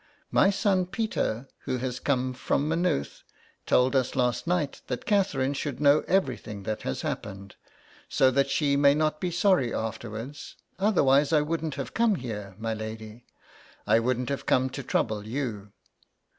My son Peter, who has come from 141 THE EXILE. Maynooth, told us last night that Catherine should know everything that has happened^ so that she may not be sorry afterwards, otherwise I wouldn't have come here, my lady. I wouldn't have come to trouble you."